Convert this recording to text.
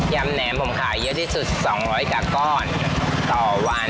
ำแหนมผมขายเยอะที่สุด๒๐๐กว่าก้อนต่อวัน